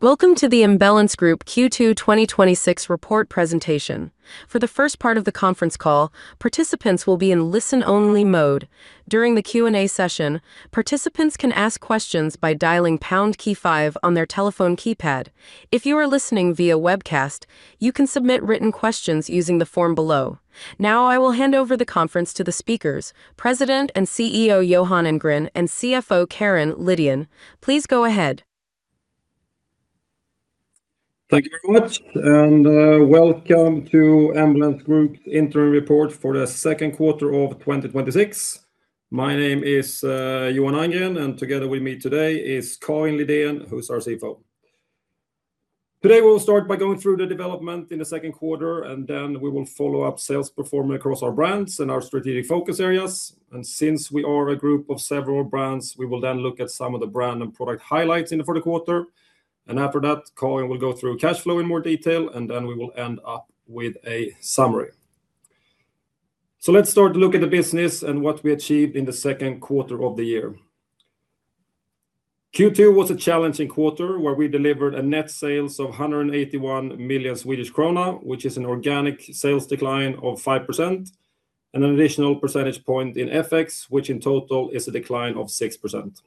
Welcome to the Embellence Group Q2 2026 report presentation. For the first part of the conference call, participants will be in listen-only mode. During the Q&A session, participants can ask questions by dialing pound key five on their telephone keypad. If you are listening via webcast, you can submit written questions using the form below. I will hand over the conference to the speakers, President and CEO Johan Andgren and CFO Karin Lidén. Please go ahead. Thank you very much. Welcome to Embellence Group interim report for the second quarter of 2026. My name is Johan Andgren. Together with me today is Karin Lidén, who is our CFO. We'll start by going through the development in the second quarter. We will follow up sales performance across our brands and our strategic focus areas. Since we are a group of several brands, we will look at some of the brand and product highlights for the quarter. After that, Karin will go through cash flow in more detail. We will end up with a summary. Let's start to look at the business and what we achieved in the second quarter of the year. Q2 was a challenging quarter, where we delivered a net sales of 181 million Swedish krona, which is an organic sales decline of 5%, and an additional percentage point in FX, which in total is a decline of 6%.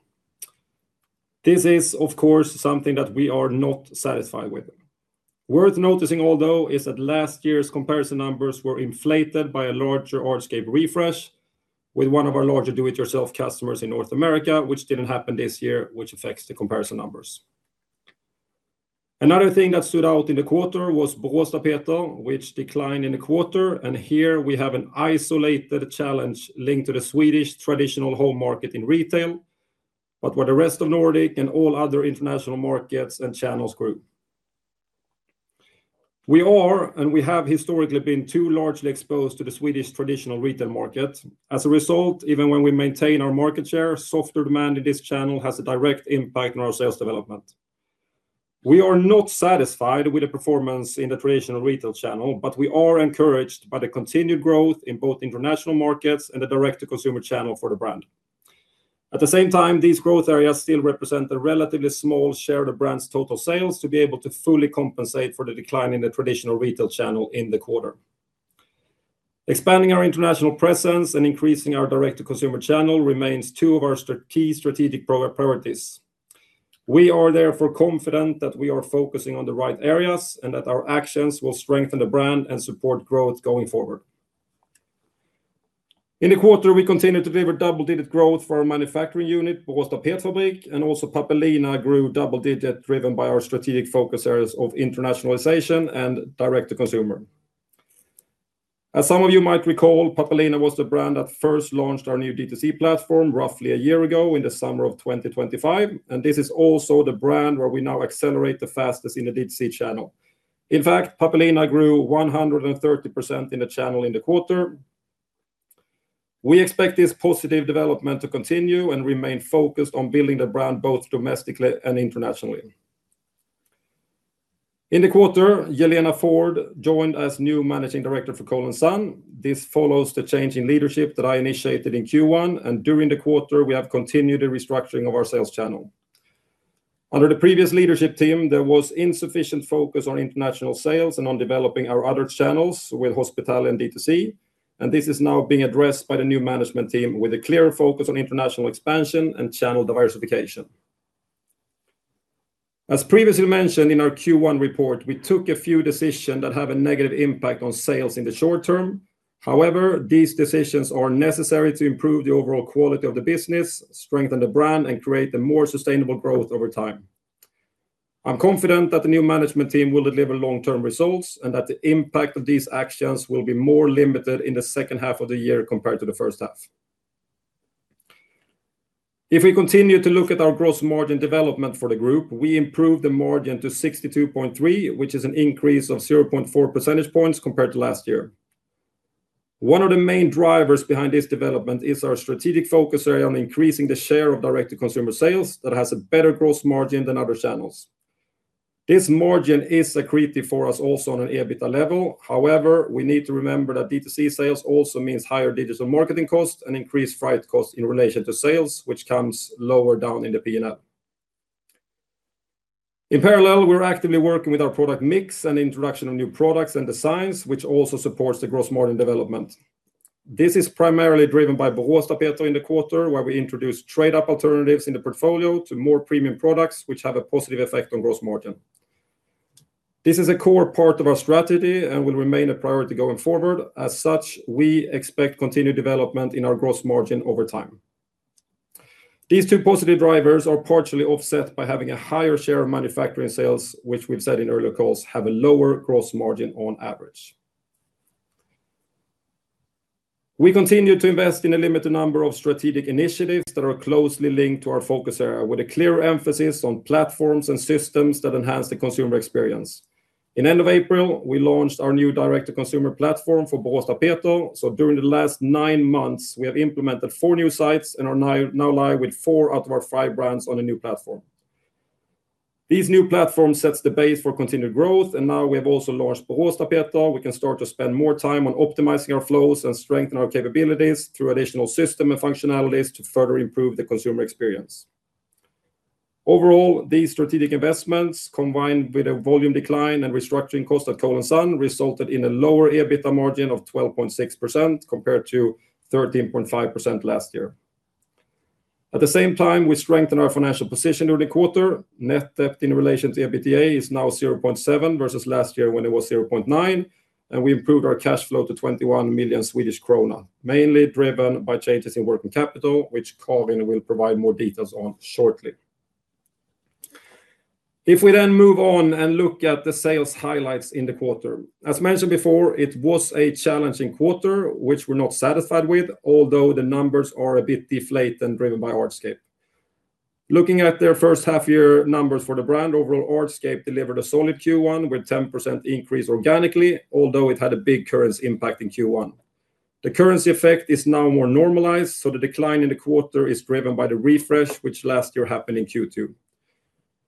This is, of course, something that we are not satisfied with. Worth noticing, although, is that last year's comparison numbers were inflated by a larger Artscape refresh with one of our larger do-it-yourself customers in North America, which didn't happen this year, which affects the comparison numbers. Another thing that stood out in the quarter was Boråstapeter, which declined in the quarter. Here we have an isolated challenge linked to the Swedish traditional home market in retail, but where the rest of Nordic and all other international markets and channels grew. We are, and we have historically been, too largely exposed to the Swedish traditional retail market. Even when we maintain our market share, softer demand in this channel has a direct impact on our sales development. We are not satisfied with the performance in the traditional retail channel, but we are encouraged by the continued growth in both international markets and the direct-to-consumer channel for the brand. These growth areas still represent a relatively small share of the brand's total sales to be able to fully compensate for the decline in the traditional retail channel in the quarter. Expanding our international presence and increasing our direct-to-consumer channel remains two of our key strategic priorities. We are focusing on the right areas and that our actions will strengthen the brand and support growth going forward. In the quarter, we continued to deliver double-digit growth for our manufacturing unit, Borås Tapetfabrik, and also Pappelina grew double digits driven by our strategic focus areas of internationalization and direct to consumer. As some of you might recall, Pappelina was the brand that first launched our new D2C platform roughly a year ago in the summer of 2025, and this is also the brand where we now accelerate the fastest in the D2C channel. In fact, Pappelina grew 130% in the channel in the quarter. We expect this positive development to continue and remain focused on building the brand both domestically and internationally. In the quarter, Yelena Ford joined as new Managing Director for Cole & Son. This follows the change in leadership that I initiated in Q1, and during the quarter, we have continued the restructuring of our sales channel. Under the previous leadership team, there was insufficient focus on international sales and on developing our other channels with hospitality and D2C. This is now being addressed by the new management team with a clear focus on international expansion and channel diversification. As previously mentioned in our Q1 report, we took a few decisions that have a negative impact on sales in the short term. These decisions are necessary to improve the overall quality of the business, strengthen the brand, and create a more sustainable growth over time. I'm confident that the new management team will deliver long-term results and that the impact of these actions will be more limited in the second half of the year compared to the first half. If we continue to look at our gross margin development for the group, we improved the margin to 62.3, which is an increase of 0.4 percentage points compared to last year. One of the main drivers behind this development is our strategic focus area on increasing the share of direct-to-consumer sales that has a better gross margin than other channels. This margin is accretive for us also on an EBITDA level. We need to remember that D2C sales also means higher digital marketing costs and increased freight costs in relation to sales, which comes lower down in the P&L. In parallel, we're actively working with our product mix and introduction of new products and designs, which also supports the gross margin development. This is primarily driven by Boråstapeter in the quarter, where we introduced trade-up alternatives in the portfolio to more premium products, which have a positive effect on gross margin. This is a core part of our strategy and will remain a priority going forward. As such, we expect continued development in our gross margin over time. These two positive drivers are partially offset by having a higher share of manufacturing sales, which we've said in earlier calls have a lower gross margin on average. We continue to invest in a limited number of strategic initiatives that are closely linked to our focus area, with a clear emphasis on platforms and systems that enhance the consumer experience. In end of April, we launched our new direct-to-consumer platform for Boråstapeter. During the last nine months, we have implemented four new sites and are now live with four out of our five brands on a new platform. This new platform sets the base for continued growth, and now we have also launched Boråstapeter. We can start to spend more time on optimizing our flows and strengthen our capabilities through additional system and functionalities to further improve the consumer experience. Overall, these strategic investments, combined with a volume decline and restructuring cost at Cole & Son, resulted in a lower EBITDA margin of 12.6% compared to 13.5% last year. At the same time, we strengthened our financial position during the quarter. Net debt in relation to EBITDA is now 0.7 versus last year when it was 0.9, and we improved our cash flow to 21 million Swedish krona, mainly driven by changes in working capital, which Karin will provide more details on shortly. We then move on and look at the sales highlights in the quarter. As mentioned before, it was a challenging quarter, which we're not satisfied with, although the numbers are a bit deflated and driven by Artscape. Looking at their first half-year numbers for the brand, overall Artscape delivered a solid Q1 with 10% increase organically, although it had a big currency impact in Q1. The currency effect is now more normalized. The decline in the quarter is driven by the refresh which last year happened in Q2.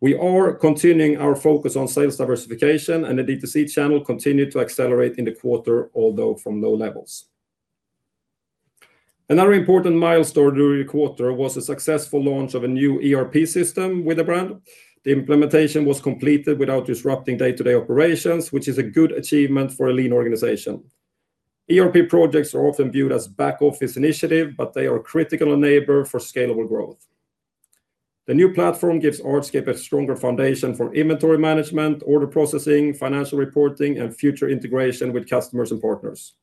We are continuing our focus on sales diversification. The D2C channel continued to accelerate in the quarter, although from low levels. Another important milestone during the quarter was a successful launch of a new ERP system with the brand. The implementation was completed without disrupting day-to-day operations, which is a good achievement for a lean organization. ERP projects are often viewed as back-office initiatives, but they are a critical enabler for scalable growth. The new platform gives Artscape a stronger foundation for inventory management, order processing, financial reporting, and future integration with customers and partners.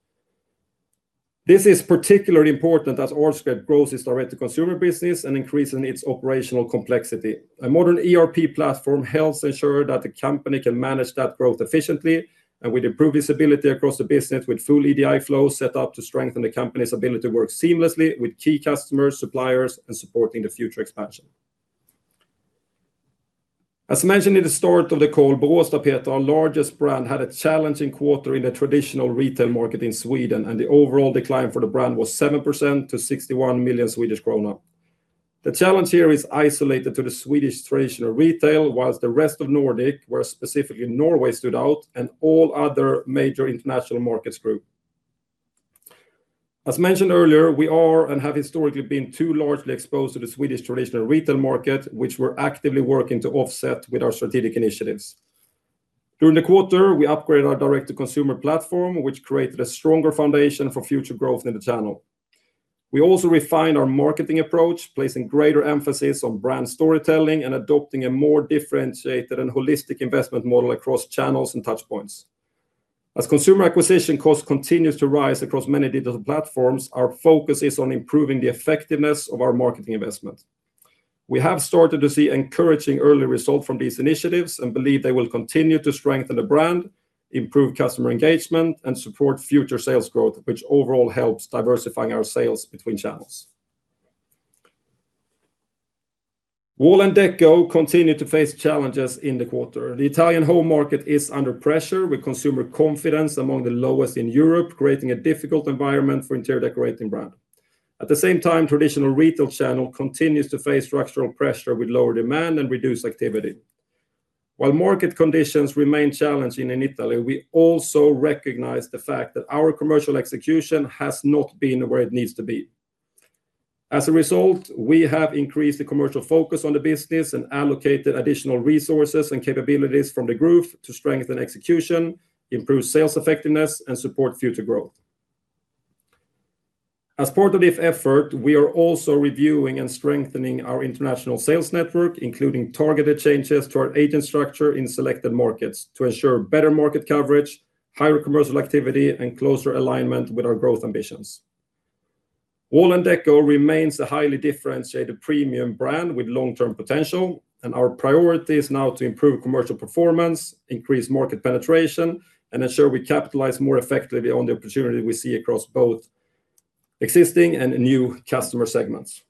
This is particularly important as Artscape grows its direct-to-consumer business and increases its operational complexity. A modern ERP platform helps ensure that the company can manage that growth efficiently and will improve visibility across the business with full EDI flow set up to strengthen the company's ability to work seamlessly with key customers, suppliers, and supporting the future expansion. As mentioned at the start of the call, Boråstapeter, our largest brand, had a challenging quarter in the traditional retail market in Sweden. The overall decline for the brand was 7% to 61 million Swedish krona. The challenge here is isolated to the Swedish traditional retail, whilst the rest of Nordic, where specifically Norway stood out, and all other major international markets grew. As mentioned earlier, we are and have historically been too largely exposed to the Swedish traditional retail market, which we're actively working to offset with our strategic initiatives. During the quarter, we upgraded our direct-to-consumer platform, which created a stronger foundation for future growth in the channel. We also refined our marketing approach, placing greater emphasis on brand storytelling and adopting a more differentiated and holistic investment model across channels and touchpoints. As consumer acquisition cost continues to rise across many digital platforms, our focus is on improving the effectiveness of our marketing investment. We have started to see encouraging early results from these initiatives and believe they will continue to strengthen the brand, improve customer engagement, and support future sales growth, which overall helps diversifying our sales between channels. Wall&decò continued to face challenges in the quarter. The Italian home market is under pressure, with consumer confidence among the lowest in Europe, creating a difficult environment for interior decorating brands. At the same time, traditional retail channel continues to face structural pressure with lower demand and reduced activity. While market conditions remain challenging in Italy, we also recognize the fact that our commercial execution has not been where it needs to be. As a result, we have increased the commercial focus on the business and allocated additional resources and capabilities from the group to strengthen execution, improve sales effectiveness, and support future growth. As part of this effort, we are also reviewing and strengthening our international sales network, including targeted changes to our agent structure in selected markets to ensure better market coverage, higher commercial activity, and closer alignment with our growth ambitions. Wall&decò remains a highly differentiated premium brand with long-term potential, and our priority is now to improve commercial performance, increase market penetration, and ensure we capitalize more effectively on the opportunity we see across both existing and new customer segments.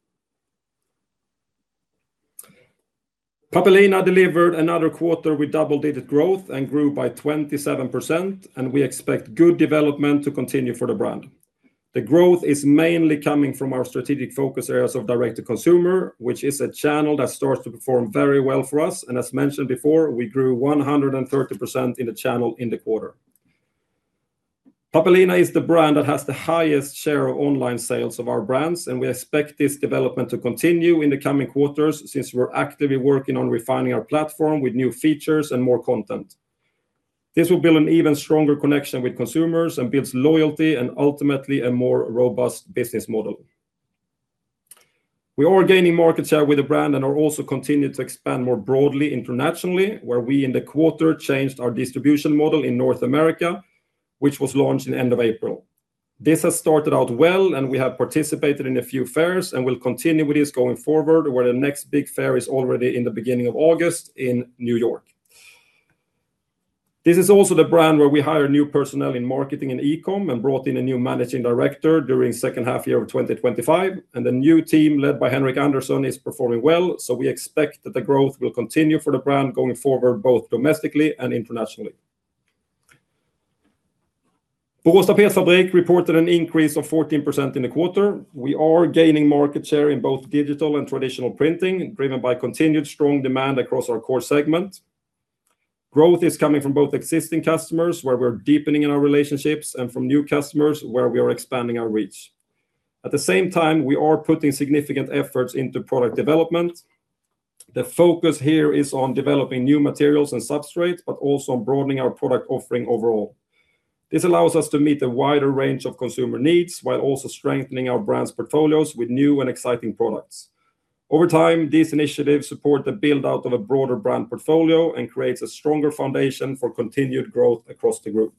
Pappelina delivered another quarter with double-digit growth and grew by 27%, and we expect good development to continue for the brand. The growth is mainly coming from our strategic focus areas of direct-to-consumer, which is a channel that starts to perform very well for us. As mentioned before, we grew 130% in the channel in the quarter. Pappelina is the brand that has the highest share of online sales of our brands, and we expect this development to continue in the coming quarters since we're actively working on refining our platform with new features and more content. This will build an even stronger connection with consumers and builds loyalty and ultimately a more robust business model. We are gaining market share with the brand and are also continuing to expand more broadly internationally, where we in the quarter changed our distribution model in North America, which was launched in the end of April. This has started out well, and we have participated in a few fairs and will continue with this going forward, where the next big fair is already in the beginning of August in New York. This is also the brand where we hire new personnel in marketing and e-com and brought in a new Managing Director during second half year of 2025, and the new team led by Henrik Andersson is performing well. We expect that the growth will continue for the brand going forward, both domestically and internationally. Borås Tapetfabrik reported an increase of 14% in the quarter. We are gaining market share in both digital and traditional printing, driven by continued strong demand across our core segment. Growth is coming from both existing customers, where we are deepening our relationships, and from new customers, where we are expanding our reach. At the same time, we are putting significant efforts into product development. The focus here is on developing new materials and substrates, but also on broadening our product offering overall. This allows us to meet a wider range of consumer needs while also strengthening our brands' portfolios with new and exciting products. Over time, these initiatives support the build-out of a broader brand portfolio and creates a stronger foundation for continued growth across the group.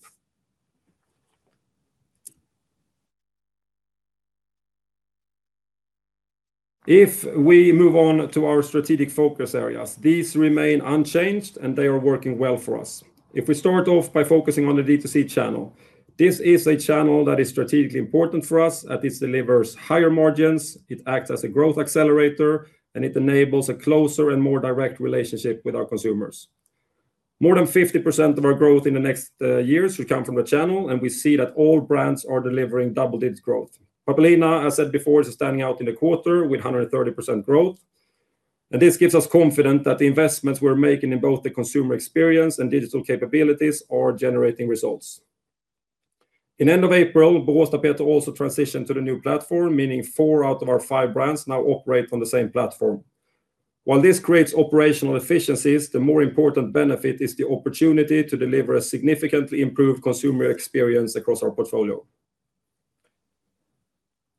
If we move on to our strategic focus areas, these remain unchanged, and they are working well for us. If we start off by focusing on the D2C channel, this is a channel that is strategically important for us as this delivers higher margins, it acts as a growth accelerator, and it enables a closer and more direct relationship with our consumers. More than 50% of our growth in the next years will come from the channel, and we see that all brands are delivering double-digit growth. Pappelina, as I said before, is standing out in the quarter with 130% growth. This gives us confidence that the investments we are making in both the consumer experience and digital capabilities are generating results. In end of April, Boråstapeter also transitioned to the new platform, meaning four out of our five brands now operate on the same platform. While this creates operational efficiencies, the more important benefit is the opportunity to deliver a significantly improved consumer experience across our portfolio.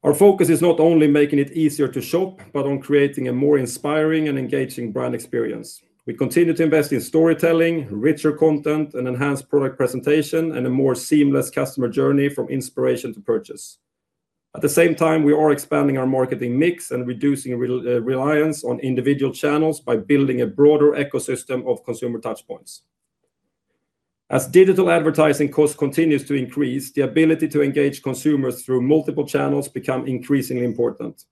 Our focus is not only making it easier to shop, but on creating a more inspiring and engaging brand experience. We continue to invest in storytelling, richer content, and enhanced product presentation, and a more seamless customer journey from inspiration to purchase. At the same time, we are expanding our marketing mix and reducing reliance on individual channels by building a broader ecosystem of consumer touchpoints. As digital advertising cost continues to increase, the ability to engage consumers through multiple channels become increasingly important.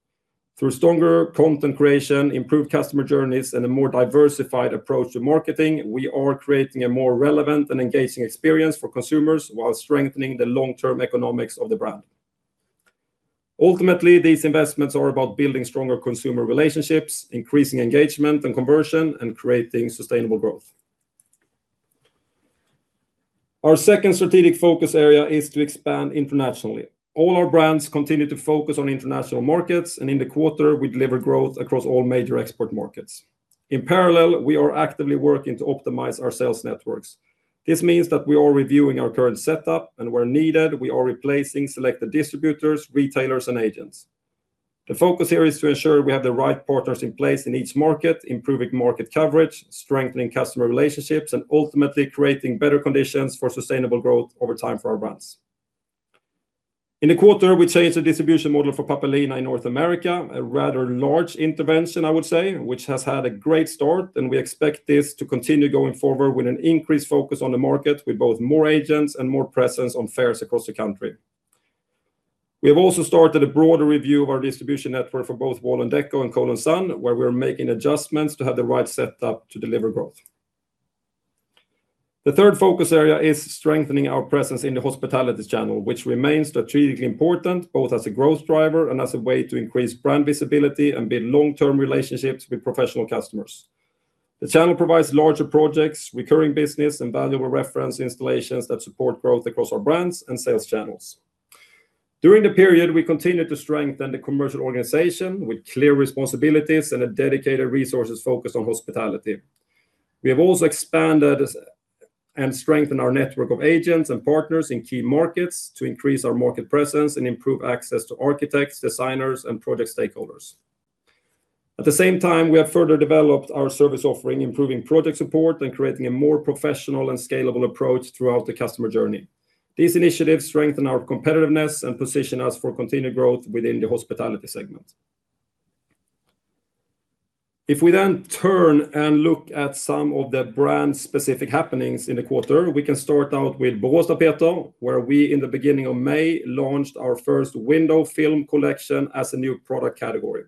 Through stronger content creation, improved customer journeys, and a more diversified approach to marketing, we are creating a more relevant and engaging experience for consumers while strengthening the long-term economics of the brand. Ultimately, these investments are about building stronger consumer relationships, increasing engagement and conversion, and creating sustainable growth. Our second strategic focus area is to expand internationally. All our brands continue to focus on international markets, and in the quarter, we delivered growth across all major export markets. In parallel, we are actively working to optimize our sales networks. This means that we are reviewing our current setup, and where needed, we are replacing selected distributors, retailers, and agents. The focus here is to ensure we have the right partners in place in each market, improving market coverage, strengthening customer relationships, and ultimately creating better conditions for sustainable growth over time for our brands. In the quarter, we changed the distribution model for Pappelina in North America, a rather large intervention, I would say, which has had a great start, and we expect this to continue going forward with an increased focus on the market with both more agents and more presence on fairs across the country. We have also started a broader review of our distribution network for both Wall&decò and Cole & Son, where we're making adjustments to have the right setup to deliver growth. The third focus area is strengthening our presence in the hospitality channel, which remains strategically important, both as a growth driver and as a way to increase brand visibility and build long-term relationships with professional customers. The channel provides larger projects, recurring business, and valuable reference installations that support growth across our brands and sales channels. During the period, we continued to strengthen the commercial organization with clear responsibilities and dedicated resources focused on hospitality. We have also expanded and strengthened our network of agents and partners in key markets to increase our market presence and improve access to architects, designers, and project stakeholders. At the same time, we have further developed our service offering, improving project support, and creating a more professional and scalable approach throughout the customer journey. These initiatives strengthen our competitiveness and position us for continued growth within the hospitality segment. If we then turn and look at some of the brand-specific happenings in the quarter, we can start out with Boråstapeter, where we, in the beginning of May, launched our first window film collection as a new product category.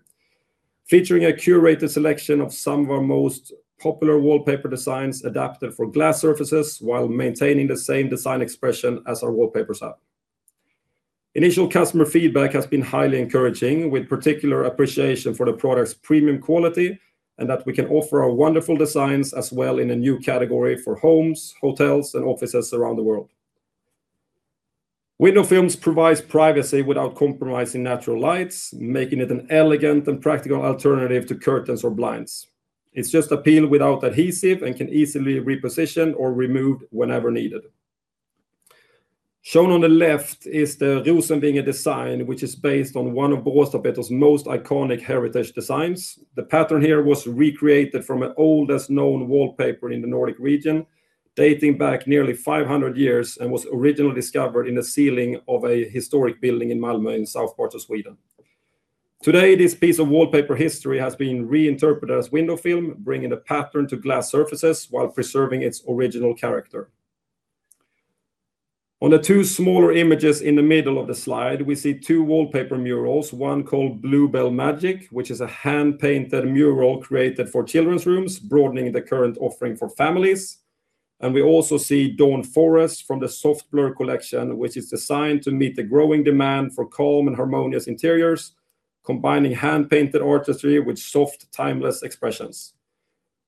Featuring a curated selection of some of our most popular wallpaper designs adapted for glass surfaces while maintaining the same design expression as our wallpapers have. Initial customer feedback has been highly encouraging, with particular appreciation for the product's premium quality and that we can offer our wonderful designs as well in a new category for homes, hotels, and offices around the world. Window films provides privacy without compromising natural lights, making it an elegant and practical alternative to curtains or blinds. It's just a peel without adhesive and can easily be repositioned or removed whenever needed. Shown on the left is the Rosenvinge design, which is based on one of Boråstapeter's most iconic heritage designs. The pattern here was recreated from an oldest known wallpaper in the Nordic region, dating back nearly 500 years and was originally discovered in the ceiling of a historic building in Malmö in south part of Sweden. Today, this piece of wallpaper history has been reinterpreted as window film, bringing the pattern to glass surfaces while preserving its original character. On the two smaller images in the middle of the slide, we see two wallpaper murals, one called Bluebell Magic, which is a hand-painted mural created for children's rooms, broadening the current offering for families. We also see Dawn Forest from the Soft Blur collection, which is designed to meet the growing demand for calm and harmonious interiors combining hand-painted artistry with soft, timeless expressions.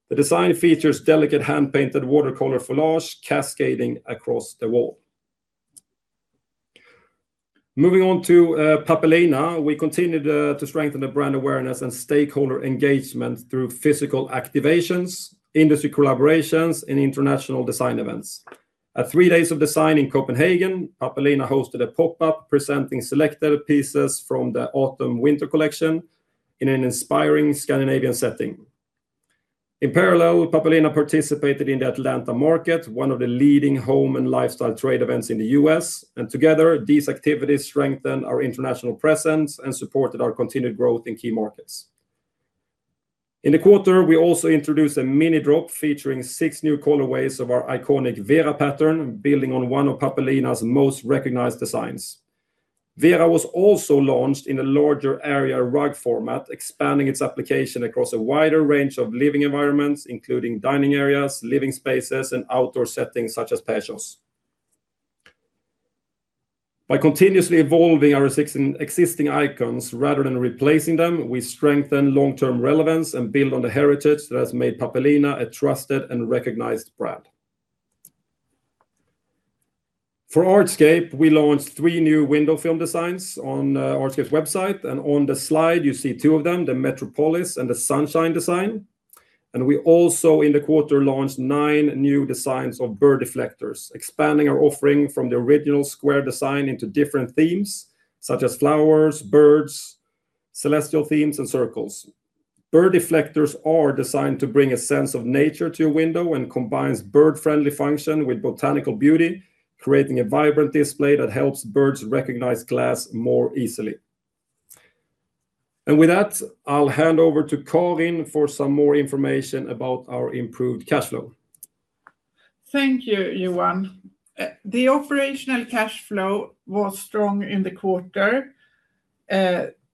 The design features delicate hand-painted watercolor foliage cascading across the wall. Moving on to Pappelina, we continued to strengthen the brand awareness and stakeholder engagement through physical activations, industry collaborations, and international design events. At 3 Days of Design in Copenhagen, Pappelina hosted a pop-up presenting selected pieces from the autumn/winter collection in an inspiring Scandinavian setting. In parallel, Pappelina participated in the Atlanta Market, one of the leading home and lifestyle trade events in the U.S. Together, these activities strengthened our international presence and supported our continued growth in key markets. In the quarter, we also introduced a mini drop featuring six new colorways of our iconic Vera pattern, building on one of Pappelina's most recognized designs. Vera was also launched in a larger area rug format, expanding its application across a wider range of living environments, including dining areas, living spaces, and outdoor settings such as patios. By continuously evolving our existing icons rather than replacing them, we strengthen long-term relevance and build on the heritage that has made Pappelina a trusted and recognized brand. For Artscape, we launched three new window film designs on artscape's website, and on the slide you see two of them, the Metropolis and the Sunshine design. We also in the quarter launched nine new designs of bird deflectors, expanding our offering from the original square design into different themes such as flowers, birds, celestial themes, and circles. Bird deflectors are designed to bring a sense of nature to a window and combines bird-friendly function with botanical beauty, creating a vibrant display that helps birds recognize glass more easily. With that, I'll hand over to Karin for some more information about our improved cash flow. Thank you, Johan. The operational cash flow was strong in the quarter,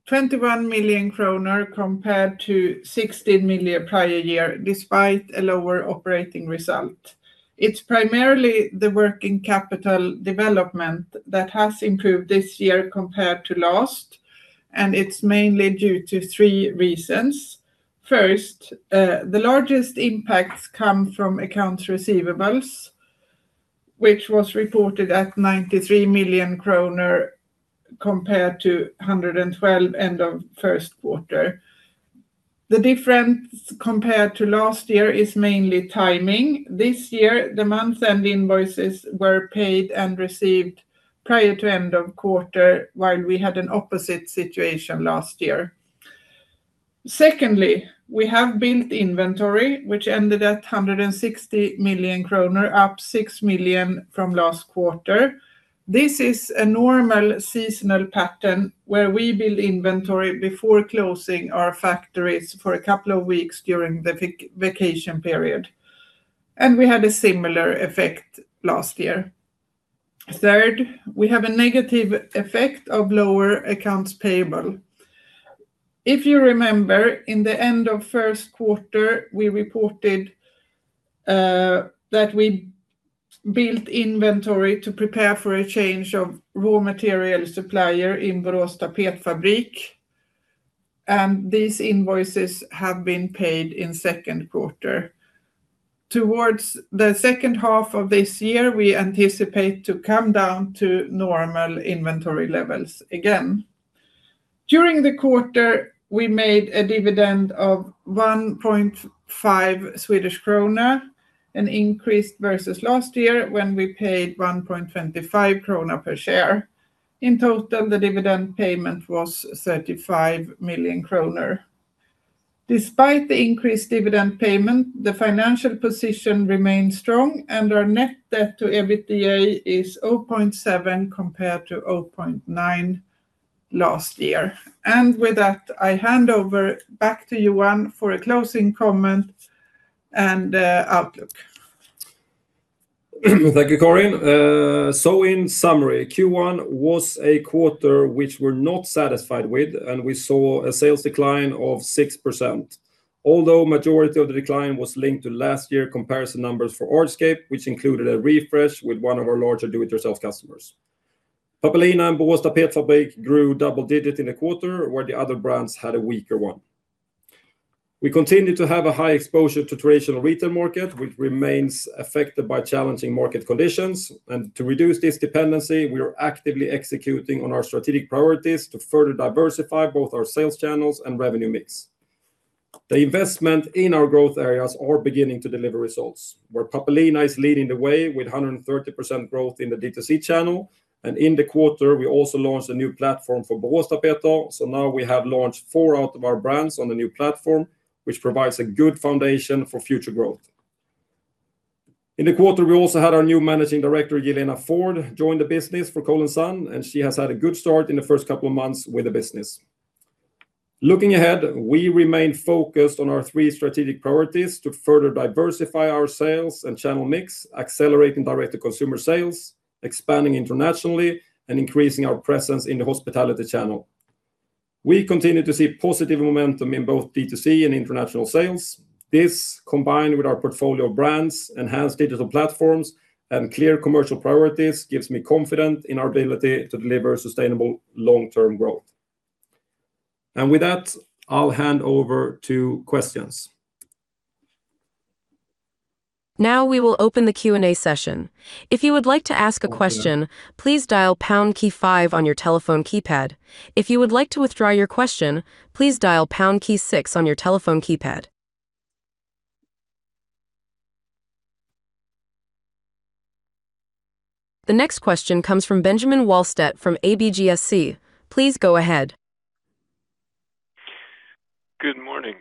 21 million kronor compared to 16 million prior year, despite a lower operating result. It's primarily the working capital development that has improved this year compared to last. It's mainly due to three reasons. First, the largest impacts come from accounts receivables, which was reported at 93 million kronor compared to 112 end of first quarter. The difference compared to last year is mainly timing. This year, the month-end invoices were paid and received prior to end of quarter, while we had an opposite situation last year. Secondly, we have built inventory, which ended at 160 million kronor, up 6 million from last quarter. This is a normal seasonal pattern where we build inventory before closing our factories for a couple of weeks during the vacation period. We had a similar effect last year. Third, we have a negative effect of lower accounts payable. If you remember, in the end of first quarter, we reported that we built inventory to prepare for a change of raw material supplier in Borås Tapetfabrik. These invoices have been paid in second quarter. Towards the second half of this year, we anticipate to come down to normal inventory levels again. During the quarter, we made a dividend of 1.5 Swedish krona, an increase versus last year when we paid 1.25 krona per share. In total, the dividend payment was 35 million kronor. Despite the increased dividend payment, the financial position remained strong and our net debt to EBITDA is 0.7 compared to 0.9 last year. With that, I hand over back to Johan for a closing comment and outlook. Thank you, Karin. In summary, Q1 was a quarter which we're not satisfied with, and we saw a sales decline of 6%, although majority of the decline was linked to last year comparison numbers for Artscape, which included a refresh with one of our larger do-it-yourself customers. Pappelina and Borås Tapetfabrik grew double-digit in a quarter where the other brands had a weaker one. We continue to have a high exposure to traditional retail market, which remains affected by challenging market conditions. To reduce this dependency, we are actively executing on our strategic priorities to further diversify both our sales channels and revenue mix. The investment in our growth areas are beginning to deliver results, where Pappelina is leading the way with 130% growth in the D2C channel. In the quarter, we also launched a new platform for Boråstapeter, so now we have launched four out of our brands on the new platform, which provides a good foundation for future growth. In the quarter, we also had our new Managing Director, Yelena Ford, join the business for Cole & Son, and she has had a good start in the first couple of months with the business. Looking ahead, we remain focused on our three strategic priorities to further diversify our sales and channel mix, accelerating direct-to-consumer sales, expanding internationally, and increasing our presence in the hospitality channel. We continue to see positive momentum in both D2C and international sales. This, combined with our portfolio of brands, enhanced digital platforms, and clear commercial priorities, gives me confidence in our ability to deliver sustainable long-term growth. With that, I'll hand over to questions. Now we will open the Q&A session. If you would like to ask a question, please dial pound key five on your telephone keypad. If you would like to withdraw your question, please dial pound key six on your telephone keypad. The next question comes from Benjamin Wahlstedt from ABGSC. Please go ahead. Good morning.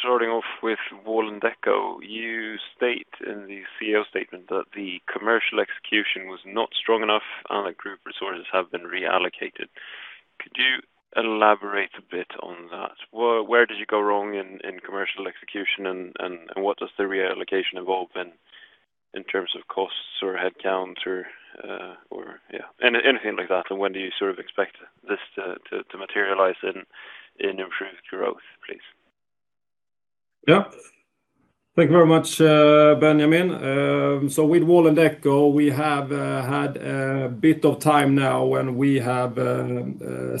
Starting off with Wall&decò. You state in the CEO statement that the commercial execution was not strong enough and that group resources have been reallocated. Could you elaborate a bit on that? Where did you go wrong in commercial execution and what does the reallocation involve in terms of costs or headcount? Anything like that. When do you expect this to materialize in improved growth, please? Yeah. Thank you very much, Benjamin. With Wall&decò, we have had a bit of time now and we have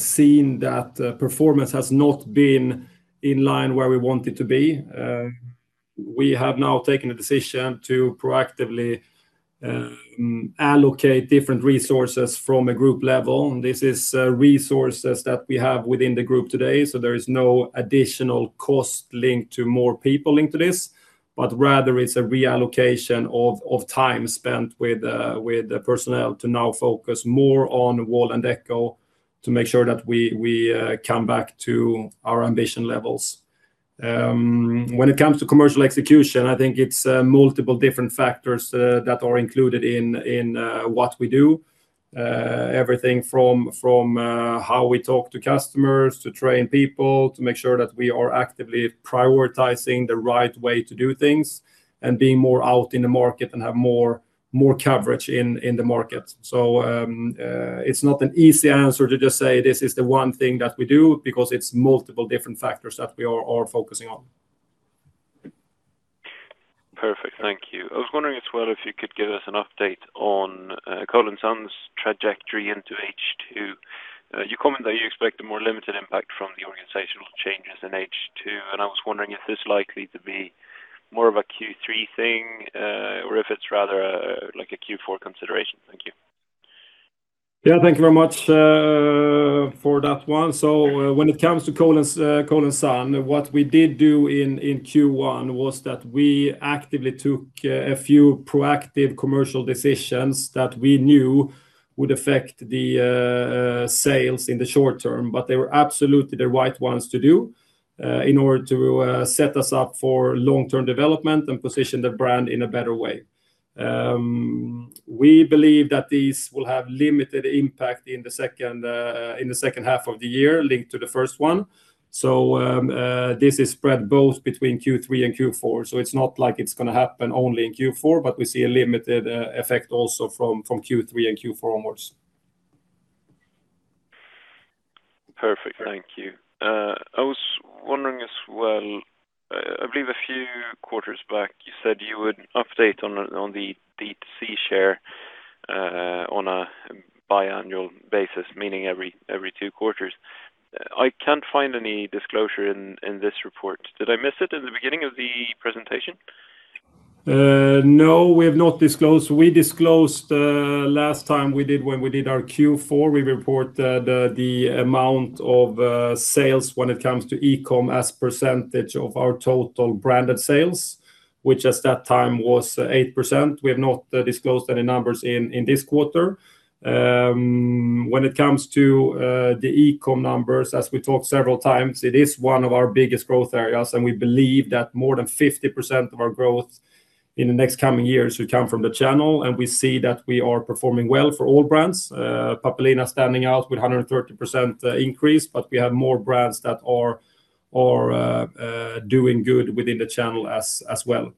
seen that performance has not been in line where we want it to be. We have now taken a decision to proactively allocate different resources from a group level. This is resources that we have within the group today, so there is no additional cost linked to more people into this, but rather it's a reallocation of time spent with the personnel to now focus more on Wall&decò to make sure that we come back to our ambition levels. When it comes to commercial execution, I think it's multiple different factors that are included in what we do. Everything from how we talk to customers, to train people, to make sure that we are actively prioritizing the right way to do things and being more out in the market and have more coverage in the market. It's not an easy answer to just say this is the one thing that we do, because it's multiple different factors that we are focusing on. Perfect. Thank you. I was wondering as well if you could give us an update on Cole & Son's trajectory into H2. You comment that you expect a more limited impact from the organizational changes in H2, and I was wondering if this is likely to be more of a Q3 thing, or if it's rather a Q4 consideration. Thank you. Yeah, thank you very much for that one. When it comes to Cole & Son, what we did do in Q1 was that we actively took a few proactive commercial decisions that we knew would affect the sales in the short term, but they were absolutely the right ones to do in order to set us up for long-term development and position the brand in a better way. We believe that these will have limited impact in the second half of the year linked to the first one. This is spread both between Q3 and Q4. It's not like it's going to happen only in Q4, but we see a limited effect also from Q3 and Q4 onwards. Perfect, thank you. I was wondering as well, I believe a few quarters back you said you would update on the D2C share on a biannual basis, meaning every two quarters. I can't find any disclosure in this report. Did I miss it in the beginning of the presentation? No, we have not disclosed. We disclosed last time we did when we did our Q4. We reported the amount of sales when it comes to e-com as percentage of our total branded sales, which at that time was 8%. We have not disclosed any numbers in this quarter. When it comes to the e-com numbers, as we talked several times, it is one of our biggest growth areas, and we believe that more than 50% of our growth in the next coming years will come from the channel, and we see that we are performing well for all brands. Pappelina standing out with 130% increase, but we have more brands that are doing good within the channel as well.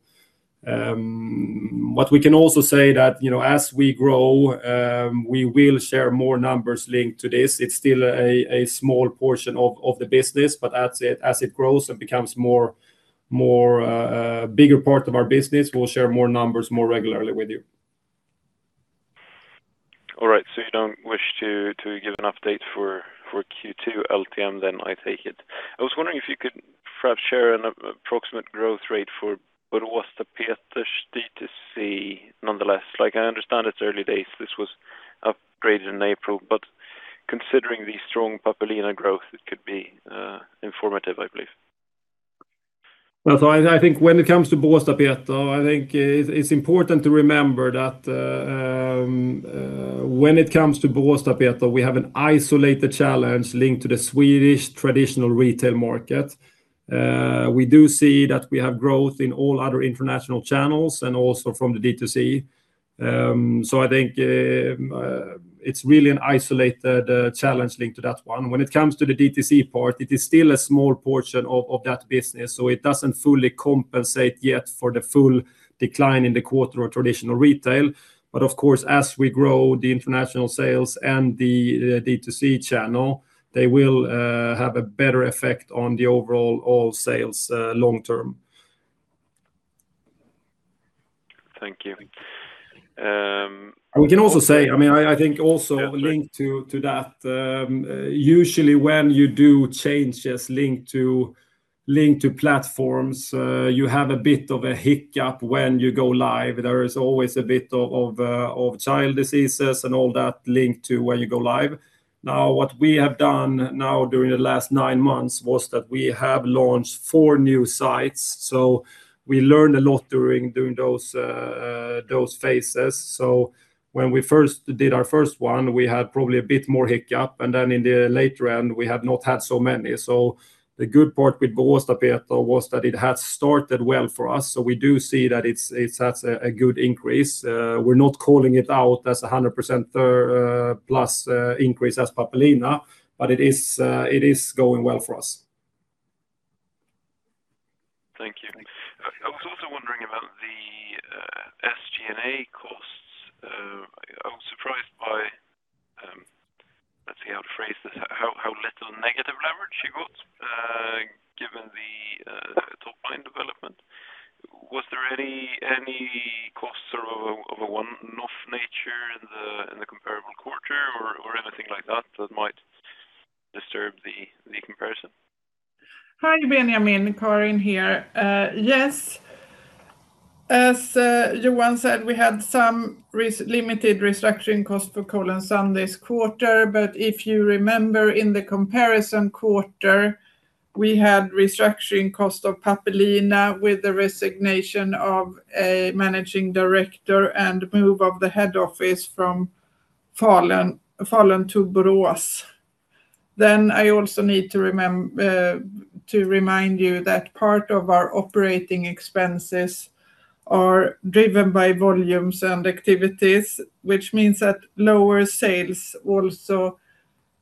What we can also say that as we grow, we will share more numbers linked to this. It's still a small portion of the business, but as it grows and becomes a bigger part of our business, we'll share more numbers more regularly with you. All right. You don't wish to give an update for Q2 LTM then, I take it. I was wondering if you could perhaps share an approximate growth rate for Boråstapeter's D2C nonetheless. I understand it's early days. This was upgraded in April, but considering the strong Pappelina growth, it could be informative, I believe. When it comes to Boråstapeter, I think it's important to remember that when it comes to Boråstapeter, we have an isolated challenge linked to the Swedish traditional retail market. We do see that we have growth in all other international channels and also from the D2C. I think it's really an isolated challenge linked to that one. When it comes to the D2C part, it is still a small portion of that business, so it doesn't fully compensate yet for the full decline in the quarter or traditional retail. Of course, as we grow the international sales and the D2C channel, they will have a better effect on the overall sales long term. Thank you. We can also say, I think also linked to that, usually when you do changes linked to platforms, you have a bit of a hiccup when you go live. There is always a bit of child diseases and all that linked to when you go live. What we have done now during the last nine months was that we have launched four new sites. We learned a lot during those phases. When we first did our first one, we had probably a bit more hiccup, and then in the later end, we have not had so many. The good part with Boråstapeter was that it had started well for us. We do see that it has a good increase. We're not calling it out as 100%+ increase as Pappelina, but it is going well for us. Thank you. I was also wondering about the SG&A costs. I was surprised by, let's see how to phrase this, how little negative leverage you got, given the top-line development. Was there any costs of a one-off nature in the comparable quarter or anything like that that might disturb the comparison? Hi, Benjamin. Karin here. As Johan said, we had some limited restructuring cost for Cole & Son this quarter. If you remember, in the comparison quarter, we had restructuring cost of Pappelina with the resignation of a managing director and move of the head office from Falun to Borås. I also need to remind you that part of our operating expenses are driven by volumes and activities, which means that lower sales also,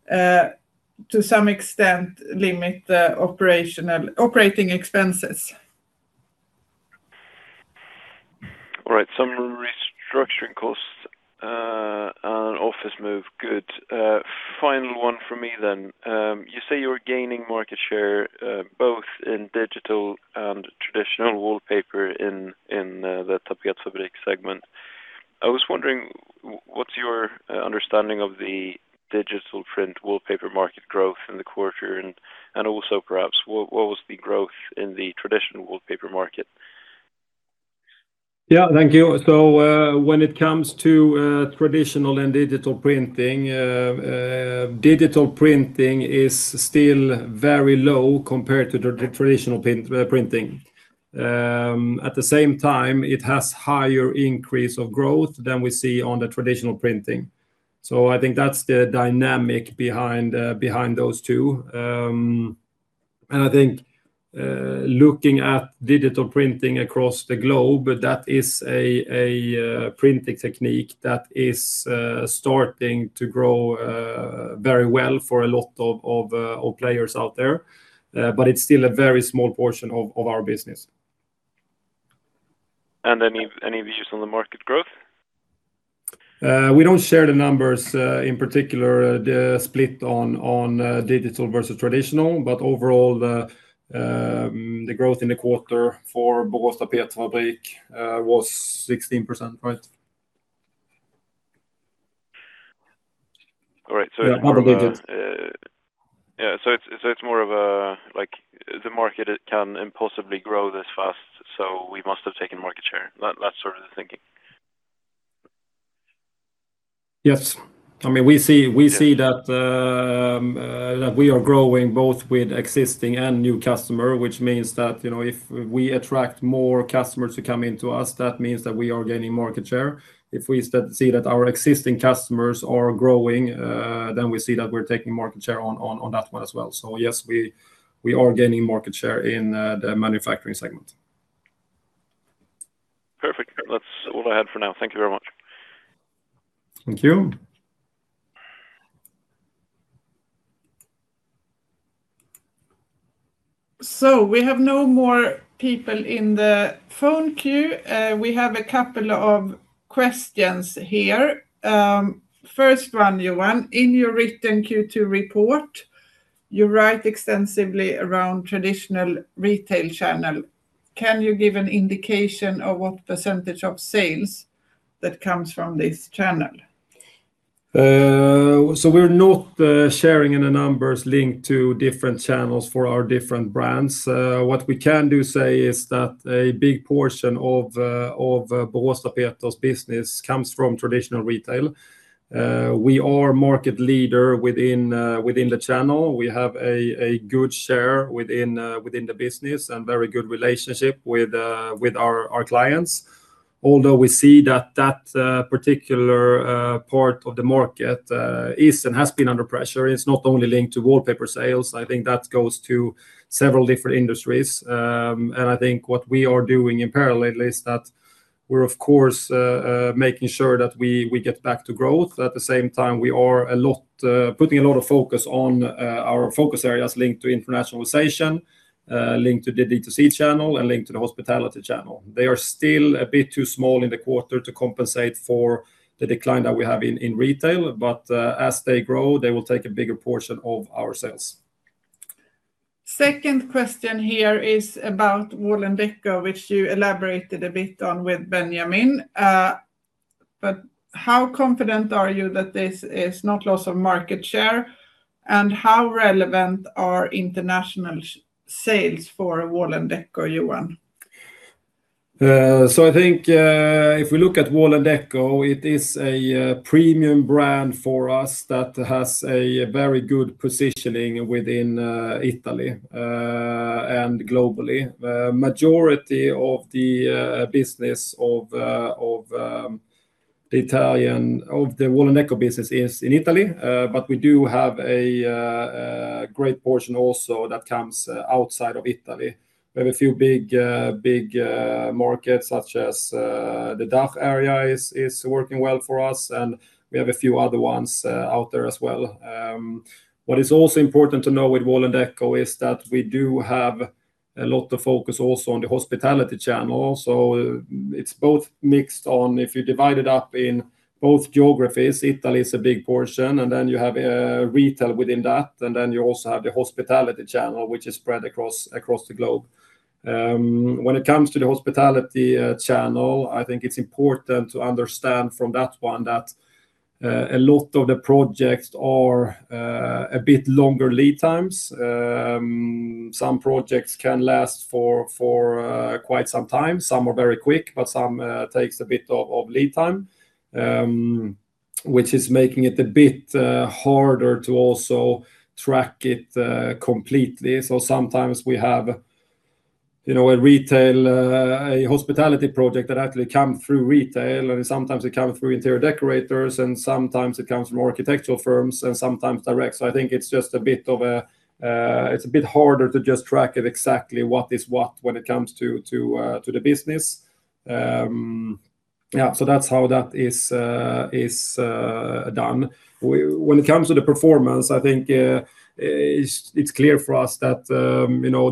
to some extent, limit the operating expenses. All right. Some restructuring costs and an office move. Good. Final one from me then. You say you're gaining market share both in digital and traditional wallpaper in the Tapetfabrik segment. I was wondering, what's your understanding of the digital print wallpaper market growth in the quarter, and also perhaps what was the growth in the traditional wallpaper market? Thank you. When it comes to traditional and digital printing, digital printing is still very low compared to traditional printing. At the same time, it has higher increase of growth than we see on the traditional printing. I think that's the dynamic behind those two. I think looking at digital printing across the globe, that is a printing technique that is starting to grow very well for a lot of players out there. It's still a very small portion of our business. Any views on the market growth? We don't share the numbers, in particular the split on digital versus traditional. Overall, the growth in the quarter for Borås Tapetfabrik was 16%, right? All right. Yeah, probably good. Yeah. It's more of a, the market can impossibly grow this fast, we must have taken market share. That sort of thinking. Yes. We see that we are growing both with existing and new customer, which means that if we attract more customers to come into us, that means that we are gaining market share. If we see that our existing customers are growing, we see that we're taking market share on that one as well. Yes, we are gaining market share in the manufacturing segment. Perfect. That's all I had for now. Thank you very much. Thank you. We have no more people in the phone queue. We have a couple of questions here. First one, Johan, in your written Q2 report, you write extensively around traditional retail channel. Can you give an indication of what percentage of sales that comes from this channel? We're not sharing any numbers linked to different channels for our different brands. What we can do say is that a big portion of Boråstapeter's business comes from traditional retail. We are market leader within the channel. We have a good share within the business and very good relationship with our clients. Although we see that that particular part of the market is and has been under pressure, it's not only linked to wallpaper sales. I think that goes to several different industries. I think what we are doing in parallel is that we're of course making sure that we get back to growth. At the same time, we are putting a lot of focus on our focus areas linked to internationalization, linked to the D2C channel, and linked to the hospitality channel. They are still a bit too small in the quarter to compensate for the decline that we have in retail. As they grow, they will take a bigger portion of our sales. Second question here is about Wall&decò, which you elaborated a bit on with Benjamin. How confident are you that this is not loss of market share? How relevant are international sales for Wall&decò, Johan? I think if we look at Wall&decò, it is a premium brand for us that has a very good positioning within Italy and globally. Majority of the Wall&decò business is in Italy, but we do have a great portion also that comes outside of Italy. We have a few big markets, such as the DACH area is working well for us, and we have a few other ones out there as well. What is also important to know with Wall&decò is that we do have a lot of focus also on the hospitality channel. It's both mixed on, if you divide it up in both geographies, Italy is a big portion, then you have retail within that, then you also have the hospitality channel, which is spread across the globe. When it comes to the hospitality channel, I think it's important to understand from that one that a lot of the projects are a bit longer lead times. Some projects can last for quite some time. Some are very quick, but some takes a bit of lead time, which is making it a bit harder to also track it completely. Sometimes we have a hospitality project that actually come through retail, and sometimes it come through interior decorators, and sometimes it comes from architectural firms, and sometimes direct. I think it's a bit harder to just track it exactly what is what when it comes to the business. That's how that is done. When it comes to the performance, I think it's clear for us that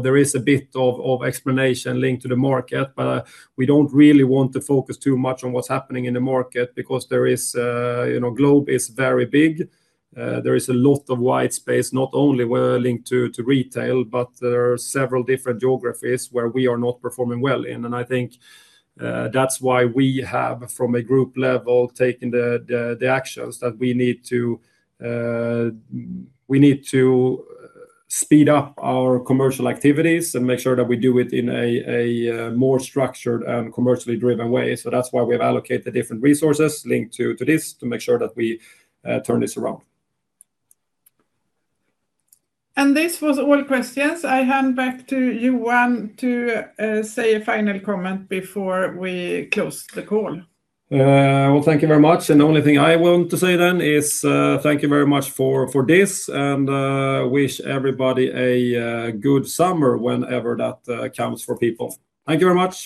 there is a bit of explanation linked to the market, but we don't really want to focus too much on what's happening in the market because globe is very big. There is a lot of white space, not only linked to retail, but there are several different geographies where we are not performing well in. I think that's why we have, from a group level, taken the actions that we need to speed up our commercial activities and make sure that we do it in a more structured and commercially driven way. That's why we have allocated different resources linked to this to make sure that we turn this around. This was all questions. I hand back to Johan to say a final comment before we close the call. Well, thank you very much. The only thing I want to say then is thank you very much for this, and wish everybody a good summer whenever that comes for people. Thank you very much